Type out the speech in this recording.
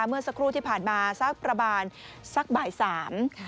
เมื่อสักครู่ที่ผ่านมาสักประมาณสักบ่ายสาม